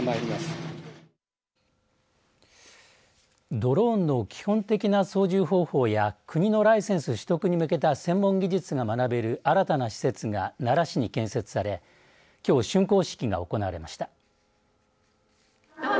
ドローンの基本的な操縦方法や国のライセンス取得に向けた専門技術が学べる新たな施設が奈良市に建設されきょうしゅんこう式が行われました。